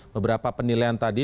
beberapa penilaian tadi